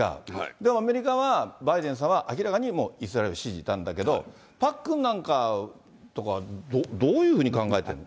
でもアメリカはバイデンさんは明らかにもうイスラエル支持なんだけど、パックンなんかとかは、どういうふうに考えてるの。